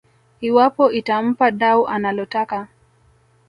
iwapo itampa dau analotaka